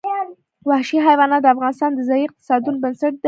وحشي حیوانات د افغانستان د ځایي اقتصادونو بنسټ دی.